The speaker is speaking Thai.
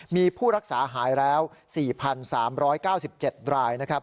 มีผู้รักษาหายแล้ว๔๓๙๗ราย